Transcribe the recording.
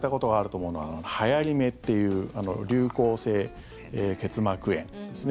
よく皆さん聞かれたことがあると思うのははやり目っていう流行性結膜炎ですね。